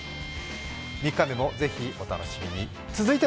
３日目もぜひお楽しみに。